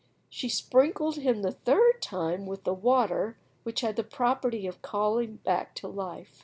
She sprinkled him the third time with the water which had the property of calling back to life.